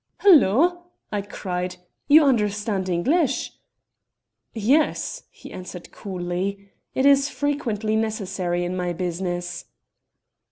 "'Halloa!' I cried, 'you understand English?' "'Yes,' he answered coolly. 'It is frequently necessary in my business.'